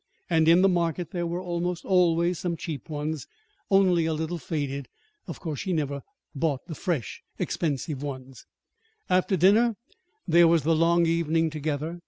And in the market there were almost always some cheap ones, only a little faded. Of course, she never bought the fresh, expensive ones. After dinner there was the long evening together.